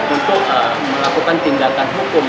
untuk melakukan tindakan hukum